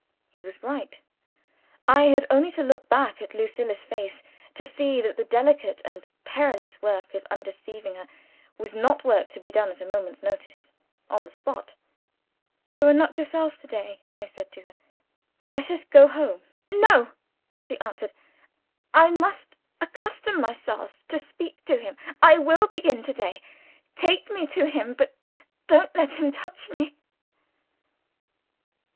He was right. I had only to look back at Lucilla's face to see that the delicate and perilous work of undeceiving her, was not work to be done at a moment's notice, on the spot. "You are not yourself to day," I said to her. "Let us go home." "No!" she answered. "I must accustom myself to speak to him. I will begin to day. Take me to him but don't let him touch me!"